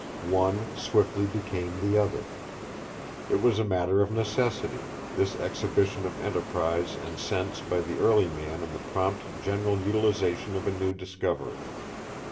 One swiftly became the other. It was a matter of necessity, this exhibition of enterprise and sense by the early man in the prompt general utilization of a new discovery.